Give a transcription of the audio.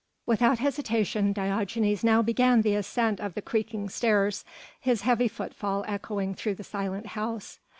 Without hesitation Diogenes now began the ascent of the creaking stairs, his heavy footfall echoing through the silent house.